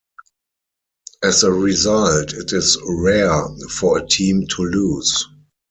As a result, it is rare for a team to lose.